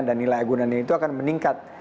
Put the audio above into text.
dan nilai agunannya itu akan meningkat